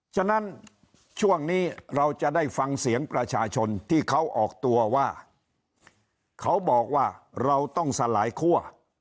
ฉะนั้นช่วงนี้เราจะได้ฟังเสียงประชาชนที่เขาออกตัวว่าเขาบอกว่าเราต้องสลายคั่ว